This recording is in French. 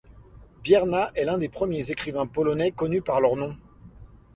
Biernat est l'un des premiers écrivains polonais connus par leur nom.